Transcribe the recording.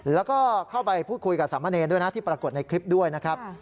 แล้วก็เข้าไปพูดคุยกับสามะเนรด้วยนะที่ปรากฏในคลิปด้วยนะครับ